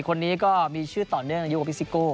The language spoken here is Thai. คนนี้ก็มีชื่อต่อเนื่องอายุอภิกษิโก